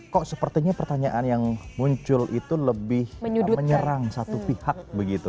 kok sepertinya pertanyaan yang muncul itu lebih menyerang satu pihak begitu